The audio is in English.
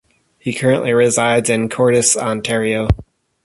He currently resides in Courtice, Ontario.